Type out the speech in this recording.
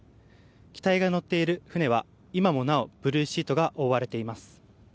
機体が乗っている船は今もなおブルーシートで覆われています。